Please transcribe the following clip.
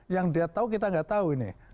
yang dia tahu kita nggak tahu ini